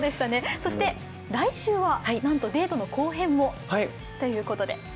そして来週はなんとデートの後編もということで。